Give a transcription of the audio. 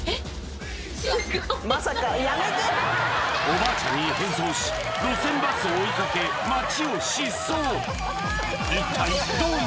おばあちゃんに変装し路線バスを追いかけ街を疾走！